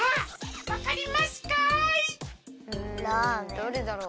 どれだろう。